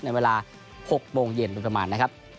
ในเวลา๖โมงเย็นประมาณ